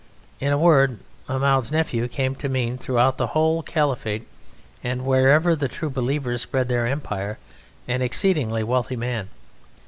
In a word, "Mahmoud's Nephew" came to mean throughout the whole Caliphate and wherever the True Believers spread their empire, an exceedingly wealthy man.